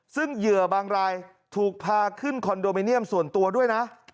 ซึ่งเหยื่อบางรายถูกพาขึ้นคอนโดมิเนียมส่วนตัวด้วยนะ